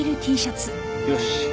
よし。